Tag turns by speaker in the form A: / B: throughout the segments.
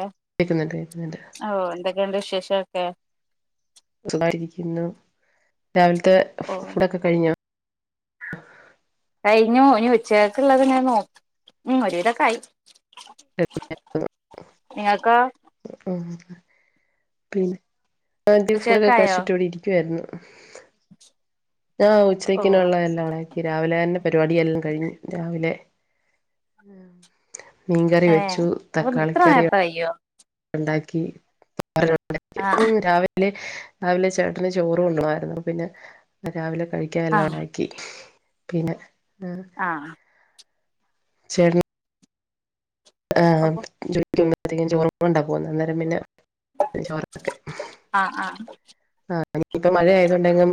A: ഏഹ്
B: കേൾക്കുന്നുണ്ട് കേൾക്കുന്നുണ്ട്
A: ഓഹ് എന്തൊക്കെണ്ട് വിശേഷൊക്കെ
B: സുഖായിട്ടിരിക്കുന്നു രാവിലത്തെ
A: ഓഹ്
B: ഒക്ക കഴിഞോ
A: കഴിഞ്ഞു ഇനി ഉച്ചക്കള്ളത് ങ്ങനെ നോക്ക് മം ഒരുവിതൊക്കെ ആയി നിങ്ങക്കോ.
B: ആഹ് പിന്നെ ആദ്യം
A: ഉച്ചകക്കായോ
B: [unintelligible] ക്ക്യുവായിരുന്നു. ആഹ്
A: ഓ
B: ഉച്ചക്കിനുള്ളതെല്ലാം ആയി. രാവിലെ തന്നെ പരിപാടിയെല്ലാം കഴിഞ്ഞു രാവിലെ. മീൻകറി വെച്ചു. തക്കാളിക്കറിയു
A: ട്ടയ്യോ
B: ണ്ടാക്കി
A: ആഹ്
B: [unintelligible] രാവി ല് രാവിലെ ചേട്ടന് ചോറ് കൊണ്ടു [unintelligible] യിരുന്നു. അപ്പ പിന്നെ രാവിലെ കഴിക്ക്യാൻ എല്ലാം
A: ആഹ്
B: ഉണ്ടാ ക്കി. പിന്നെ
A: ആഹ്.
B: ചേട്ടന് ഏഹ്
A: അപ്പൊ
B: ജോലിക്ക് പോവ്മ്പത്തേക്കും ചോറും കൊണ്ടാ പോവുന്നെ, അന്നേരം പിന്നെ ചോറ് [unintelligible]
A: ആഹ് ആഹ്.
B: ആഹ് ഇനി ഇപ്പ മഴയായത് കൊണ്ടെങ്ങും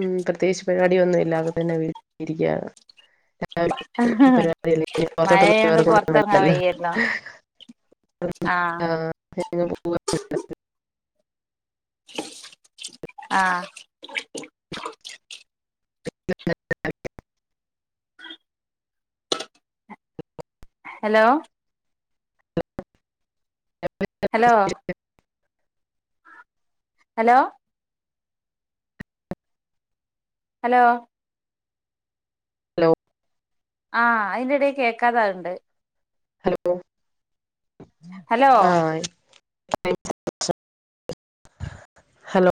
B: ഉം പ്രത്യേകിച്ച് പരിപാടിയൊന്നും ഇല്ലാതെ തന്നെ വീട്ടിരിക്കാ [unintelligible] പരിപാടി [unintelligible] ഇനി പുറത്തോട്ടൊന്നും
A: മഴയായോണ്ട്
B: [unintelligible]
A: പൊറത്തിറങ്ങാൻ
B: വേണ്ടല്ലോ.
A: വയ്യല്ലോ ആഹ്
B: [unintelligible]
A: ആഹ്.
B: [unintelligible]
A: ഹലോ ഹലോ
B: [inaudible]
A: ഹലോ ഹലോ ആഹ് അയ്ന്റെടേ കേക്കാതാവ്ണ്ട്.
B: ഹലൊ
A: ഹലോ
B: ആഹ് ഹലോ